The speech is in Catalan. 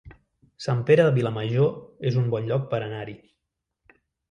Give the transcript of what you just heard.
Sant Pere de Vilamajor es un bon lloc per anar-hi